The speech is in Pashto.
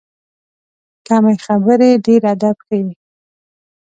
کمې خبرې، ډېر ادب ښیي.